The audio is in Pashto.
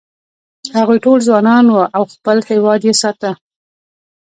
هغوی ټول ځوانان و او خپل هېواد یې ساته.